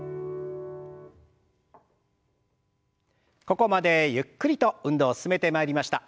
ここまでゆっくりと運動進めてまいりました。